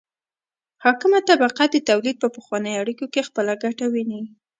حاکمه طبقه د تولید په پخوانیو اړیکو کې خپله ګټه ویني.